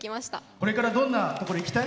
これから、どんなところへ行きたい？